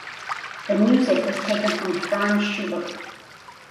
The music was taken from Franz Schubert.